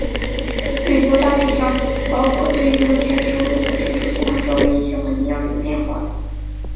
滤波大体上包括对于目前输入或者输出信号周围一些环境样本的变换。